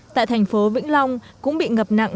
tại thành phố vĩnh long cũng bị ngập nặng